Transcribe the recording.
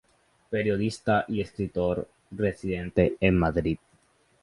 Periodista y escritor residente en Madrid.